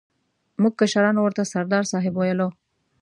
موږ کشرانو ورته سردار صاحب ویلو.